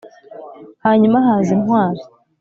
hanyuma haza intwari